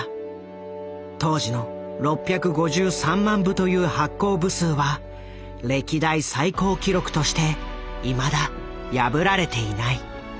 当時の６５３万部という発行部数は歴代最高記録としていまだ破られていない。